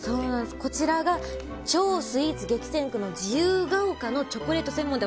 こちらが超スイーツ激戦区の自由が丘のチョコレート専門店。